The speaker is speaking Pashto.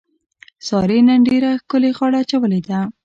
سارې نن ډېره ښکلې غاړه اچولې ده.